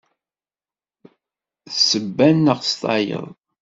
S ssebba neɣ s tayeḍ.